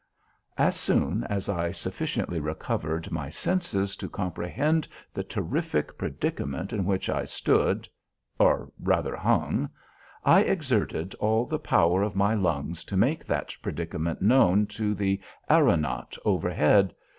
As soon as I sufficiently recovered my senses to comprehend the terrific predicament in which I stood, or rather hung, I exerted all the power of my lungs to make that predicament known to the aeronaut overhead.